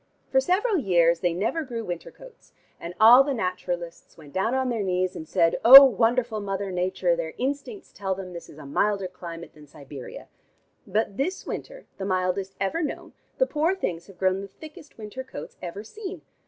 For several years they never grew winter coats, and all the naturalists went down on their knees and said: 'O wonderful Mother Nature! their instincts tell them this is a milder climate than Siberia.' But this winter, the mildest ever known, the poor things have grown the thickest winter coats ever seen.